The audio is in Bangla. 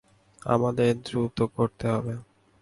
আমাদের দ্রুত করতে হবে।